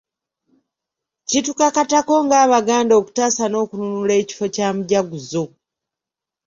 Kitukakatako ng'Abaganda okutaasa n’okununula ekifo kya Mujaguzo.